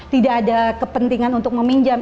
tidak ada kepentingan untuk meminjam